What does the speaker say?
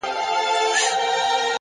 صادق زړه د آرامۍ سرچینه وي؛